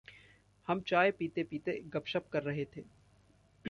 हम चाय पीते पीते गपशप कर रहे थे।